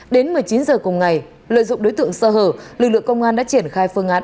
đến một mươi chín giờ cùng ngày lợi dụng đối tượng sơ hở lực lượng công an đã triển khai phương án